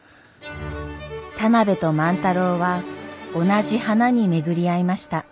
田邊と万太郎は同じ花に巡り会いました。